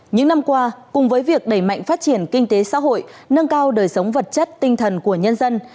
những năm qua cùng với việc đẩy mạnh phát triển kinh tế xã hội nâng cao đời sống vật chất tinh thần của nhân dân